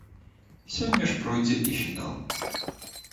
Сёння ж пройдзе і фінал.